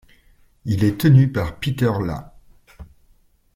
Il est tenu par Peter Hla.